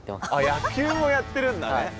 野球をやってるんだね。